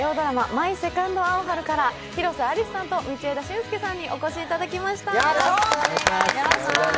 「マイ・セカンド・アオハル」から広瀬アリスさんと道枝駿佑さんにお越しいただきました。